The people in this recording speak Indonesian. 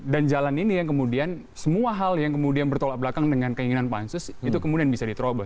dan jalan ini yang kemudian semua hal yang kemudian bertolak belakang dengan keinginan pansus itu kemudian bisa diterobos